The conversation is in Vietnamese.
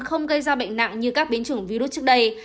không gây ra bệnh nặng như các biến chủng virus trước đây